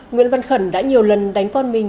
nguyễn văn khẩn đã nhiều lần đánh con mình